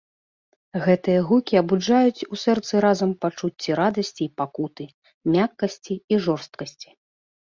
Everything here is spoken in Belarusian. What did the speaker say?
Гэтыя гукі абуджаюць у сэрцы разам пачуцці радасці і пакуты, мяккасці і жорсткасці.